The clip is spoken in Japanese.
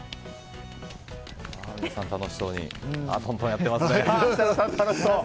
設楽さん、楽しそうにトントンやってますね。